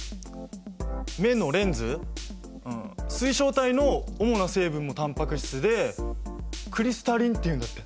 目のレンズ水晶体の主な成分もタンパク質でクリスタリンっていうんだって。